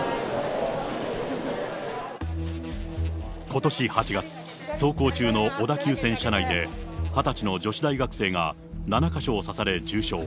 ことし８月、走行中の小田急線車内で、２０歳の女子大学生が７か所を刺され重傷。